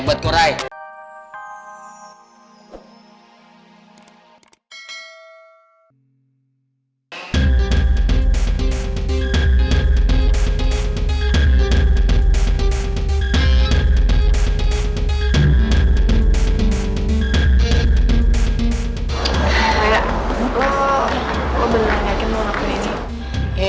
raya lu beneran yakin lu ngapain